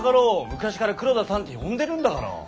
昔から「黒田さん」って呼んでるんだから。